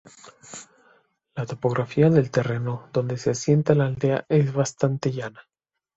La topografía del terreno donde se asienta la aldea es bastante llana.